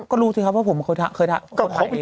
ก็รู้สิครับว่าผมเคยกดถ่ายเอง